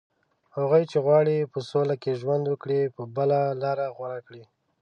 هغوی چې غواړي په سوله کې ژوند وکړي، به بله لاره غوره کړي